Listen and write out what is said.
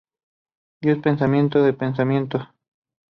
Dios pensamiento de pensamiento.